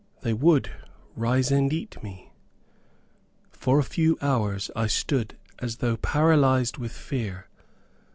They would rise and eat me! For a few hours I stood as though paralyzed with fear.